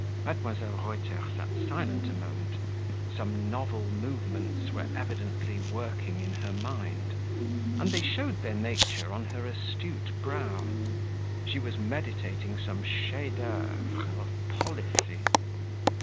Mdlle. Reuter sat silent a moment; some novel movements were evidently working in her mind, and they showed their nature on her astute brow; she was meditating some CHEF D'OEUVRE of policy.